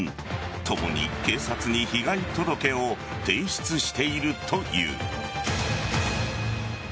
ともに警察に被害届を提出しているという。